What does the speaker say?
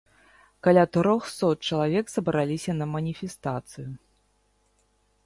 Каля трохсот чалавек сабраліся на маніфестацыю.